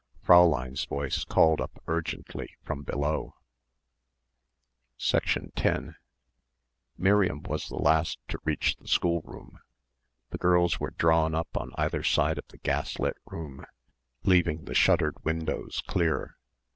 Fräulein's voice called up urgently from below. 10 Miriam was the last to reach the schoolroom. The girls were drawn up on either side of the gaslit room leaving the shuttered windows clear.